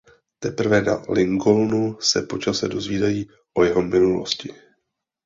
Teprve na Lincolnu se po čase dozvídají o jeho minulosti.